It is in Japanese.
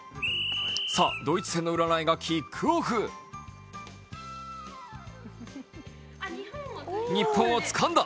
さあ、ドイツ戦の占いがキックオフ日本をつかんだ！